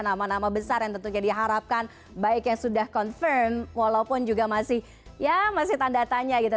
nama nama besar yang tentunya diharapkan baik yang sudah confirm walaupun juga masih ya masih tanda tanya gitu